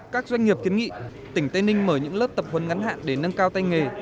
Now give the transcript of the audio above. các doanh nghiệp kiến nghị tỉnh tây ninh mở những lớp tập huấn ngắn hạn để nâng cao tay nghề